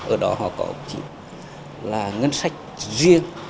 ở đó họ có chính là ngân sách riêng